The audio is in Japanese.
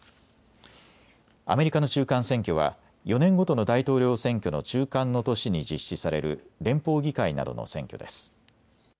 アメリカの中間選挙は４年ごとの大統領選挙の中間の年に実施される連邦議会などの選挙です。